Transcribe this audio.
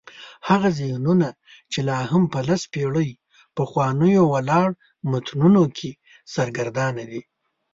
هغه ذهنونه چې لا هم په لس پېړۍ پخوانیو ولاړو متونو کې سرګردانه دي.